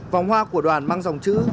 vòng hoa của đoàn mang dòng chữ